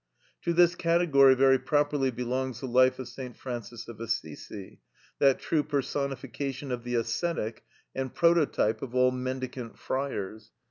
To this category very properly belongs the life of St. Francis of Assisi, that true personification of the ascetic, and prototype of all mendicant friars.